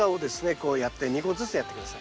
こうやって２個ずつやって下さい。